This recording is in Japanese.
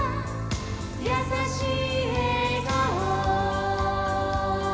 「やさしいえがお」